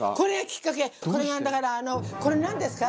これがだからあの「これなんですか？」